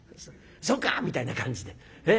「そうか！」みたいな感じで。